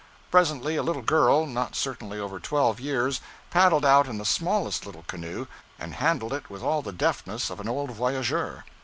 Presently a little girl, not certainly over twelve years, paddled out in the smallest little canoe and handled it with all the deftness of an old voyageur.